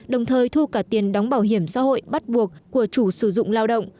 đồng thời thu cả tiền đóng bảo hiểm xã hội bắt buộc của chủ sử dụng lao động